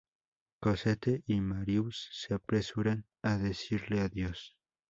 Cosette y Marius se apresuran a decirle adiós.